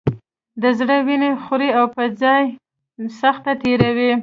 د زړه وینې خوري او په ځان سخته تېروي.